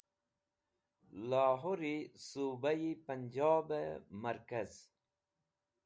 Lahori Subai Punjob e Markaz